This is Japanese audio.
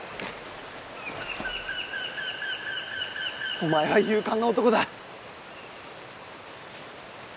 お前は勇敢な男だ！